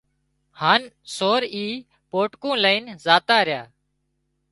هانَ سور اي پوٽڪون لئينَ زاتا ريا